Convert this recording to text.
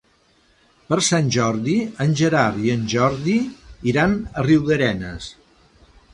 Per Sant Jordi en Gerard i en Jordi iran a Riudarenes.